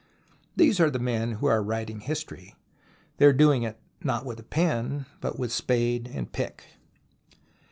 These are the men who are writing history. They are doing it not with a pen, but with spade and pick.